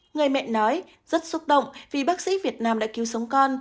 người mẹ nói rất xúc động vì bác sĩ việt nam đã cứu sống con